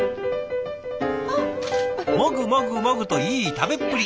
もぐもぐもぐといい食べっぷり。